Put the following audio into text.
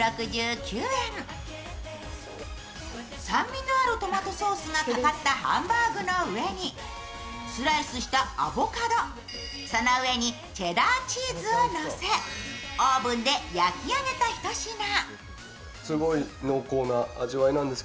酸味のあるトマトソースがかかったハンバーグの上にスライスしたアボカド、その上にチェダーチーズをのせオーブンで焼き上げたひと品。